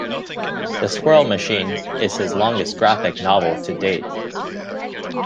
"The Squirrel Machine" is his longest graphic novel to date.